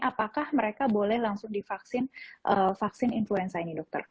apakah mereka boleh langsung divaksin vaksin influenza ini dokter